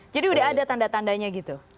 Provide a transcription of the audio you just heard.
jadi udah ada tanda tandanya gitu